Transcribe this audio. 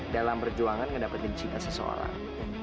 dalam perjuangan mendapatkan cinta seseorang